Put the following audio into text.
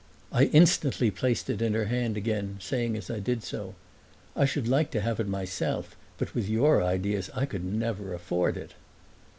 I instantly placed it in her hand again, saying as I did so, "I should like to have it myself, but with your ideas I could never afford it."